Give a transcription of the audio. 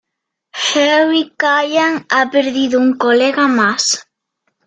Harry Callahan ha perdido un colega más.